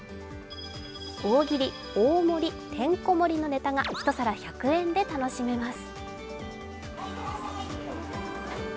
大切り、大盛り、てんこ盛りのネタが１皿１００円で楽しめます。